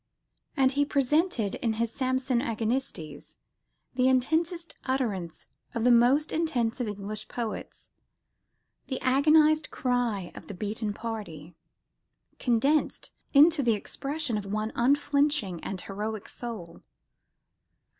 And he presented, in his Samson Agonistes, "the intensest utterance of the most intense of English poets the agonised cry of the beaten party," condensed into the expression of one unflinching and heroic soul.